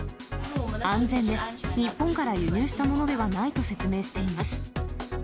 安全です、日本から輸入したものではないと説明しています。